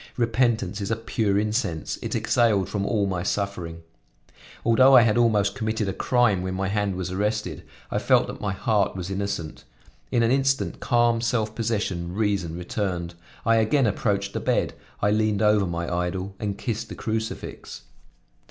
Repentance is a pure incense; it exhaled from all my suffering. Although I had almost committed a crime when my hand was arrested, I felt that my heart was innocent. In an instant calm, self possession, reason returned; I again approached the bed; I leaned over my idol and kissed the crucifix.